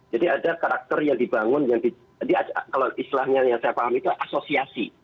jadi ada karakter yang dibangun yang kalau istilahnya yang saya paham itu asosiasi